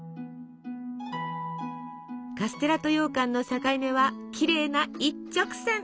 カステラとようかんの境目はきれいな一直線。